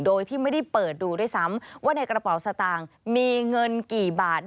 โดยที่ไม่ได้เปิดดูด้วยซ้ำว่าในกระเป๋าสตางค์มีเงินกี่บาท